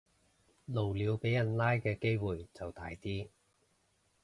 露鳥俾人拉嘅機會就大啲